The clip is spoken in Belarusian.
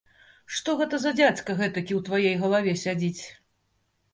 Што гэта за дзядзька гэтакі ў тваёй галаве сядзіць?